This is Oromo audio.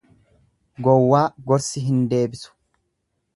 Gowwaa gorsi hin deebisu.